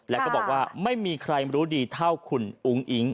แล้วก็บอกว่าไม่มีใครรู้ดีเท่าคุณอุ้งอิ๊ง